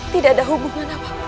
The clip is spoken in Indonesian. tidak ada hubungan apa